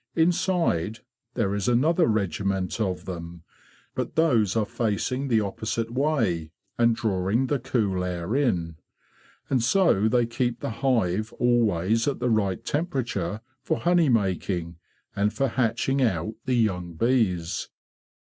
Inside there is another regiment of them, but those are facing the opposite way, and drawing the cool air in. And so they keep the hive always at the right temperature for honey making, and for hatching out the young bees."